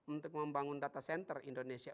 untuk membangun data center indonesia